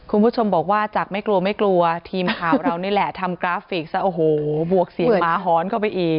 คุณผู้ชมบอกว่าจากไม่กลัวไม่กลัวทีมข่าวเรานี่แหละทำกราฟิกซะโอ้โหบวกเสียงหมาหอนเข้าไปอีก